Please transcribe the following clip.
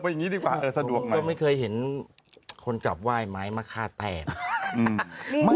พลิกต๊อกเต็มเสนอหมดเลยพลิกต๊อกเต็มเสนอหมดเลย